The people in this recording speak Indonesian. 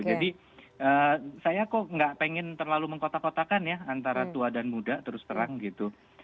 jadi saya kok gak pengen terlalu mengkotak kotakan ya antara tua dan muda terus terang gitu